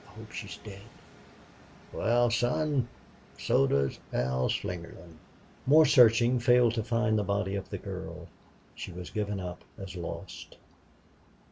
"God! I hope she's dead." "Wal, son, so does Al Slingerland." More searching failed to find the body of the girl. She was given up as lost.